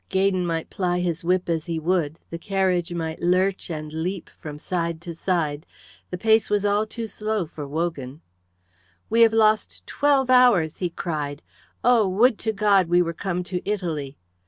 Gaydon might ply his whip as he would, the carriage might lurch and leap from side to side; the pace was all too slow for Wogan. "We have lost twelve hours," he cried. "Oh, would to God we were come to Italy!"